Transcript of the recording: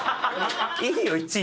いいよ。